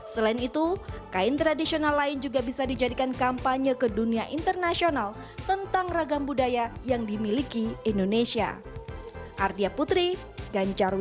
selain itu kain tradisional lain juga bisa dijadikan kampanye ke dunia internasional tentang ragam budaya yang dimiliki indonesia